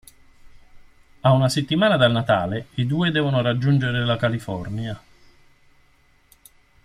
A una settimana dal Natale, i due devono raggiungere la California.